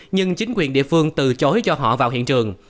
nhưng chính quyền địa phương từ chối cho họ vào hiện trường